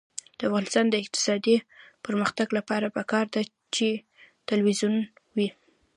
د افغانستان د اقتصادي پرمختګ لپاره پکار ده چې تلویزیون وي.